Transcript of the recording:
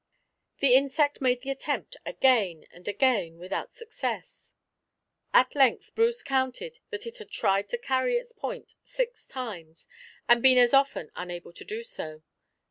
The insect made the attempt again and again without success; at length Bruce counted that it had tried to carry its point six times, and been as often unable to do so.